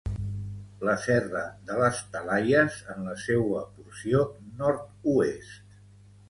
la serra de les Talaies en la seua porció nord-oest